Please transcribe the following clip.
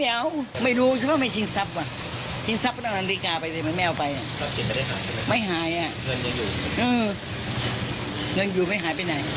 ถ้าเป็นคนดีนะมีกี่คนดีนะเฉยในกล่องเนี่ยดีชะเมฆใช้เพื่อใครนะ